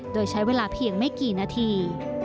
โดยใช้เวลาเพียงไม่กี่นาที